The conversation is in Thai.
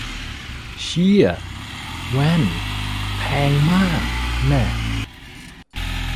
เชี่ย แว่น แพงมาก แน่ะ